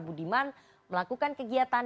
budiman melakukan kegiatan